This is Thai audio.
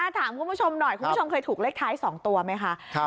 ถามคุณผู้ชมหน่อยคุณผู้ชมเคยถูกเลขท้าย๒ตัวไหมคะ